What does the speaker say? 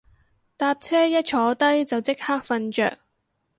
搭車一坐低就即刻瞓着